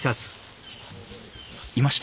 いました。